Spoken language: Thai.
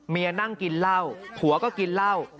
นั่งกินเหล้าผัวก็กินเหล้า